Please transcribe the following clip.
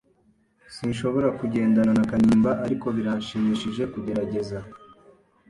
Sinshobora kugendana na Kanimba, ariko birashimishije kugerageza.